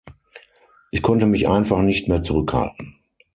Ich konnte mich einfach nicht mehr zurückhalten.